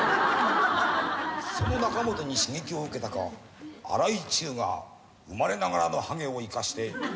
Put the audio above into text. その仲本に刺激を受けたか荒井注が生まれながらのはげを生かして。